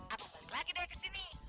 aku balik lagi deh ke sini